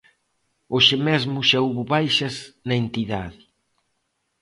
Hoxe mesmo xa houbo baixas na entidade.